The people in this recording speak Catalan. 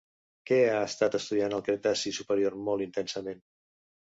Què ha estat estudiat al Cretaci superior molt intensament?